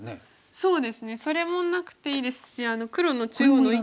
そうですねそれもなくていいですし黒の中央の１個も。